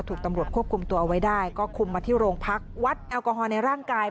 ถูกตำรวจควบคุมตัวเอาไว้ได้ก็คุมมาที่โรงพักวัดแอลกอฮอลในร่างกาย